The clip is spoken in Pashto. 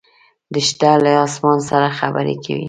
دښته له اسمان سره خبرې کوي.